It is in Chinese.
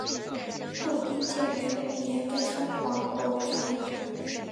汉武帝建元五年改山划国为山阳郡。